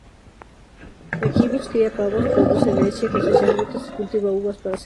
El kibutz cría pavos, produce leche, cosecha frutas, y cultiva uvas para hacer vino.